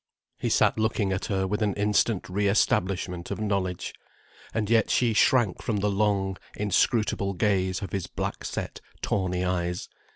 He sat looking at her with an instant re establishment of knowledge. And yet she shrank from the long, inscrutable gaze of his black set, tawny eyes.